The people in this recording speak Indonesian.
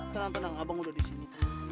tenang tenang abang udah disini